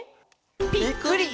「ぴっくり！